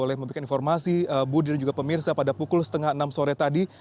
boleh memberikan informasi budi dan juga pemirsa pada pukul setengah enam sore tadi